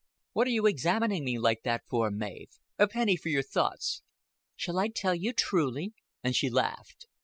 "What are you examining me like that for, Mav? A penny for your thoughts." "Shall I tell you truly?" and she laughed.